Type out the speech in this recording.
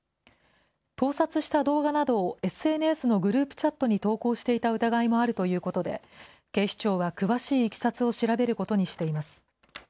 盗撮した動画などをＳＮＳのグループチャットに投稿していた疑いもあるということで、警視庁は詳しいいきさつを調べることにしています。